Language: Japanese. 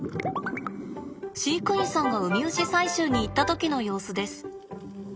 飼育員さんがウミウシ採集に行った時の様子です。